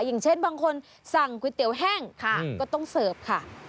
อย่างเช่นบางคนสั่งก๋วยเตี๋ยวแห้งค่ะก็ต้องเสิร์ฟค่ะ